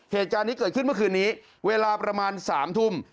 เหตุการณ์นี้เกิดขึ้นเมื่อคืนนี้เวลาประมาณ๓ทุ่ม